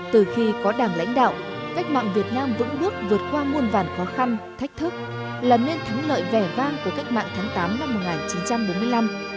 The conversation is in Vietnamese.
từ khi có đảng lãnh đạo cách mạng việt nam vững bước vượt qua muôn vàn khó khăn thách thức làm nên thắng lợi vẻ vang của cách mạng tháng tám năm một nghìn chín trăm bốn mươi năm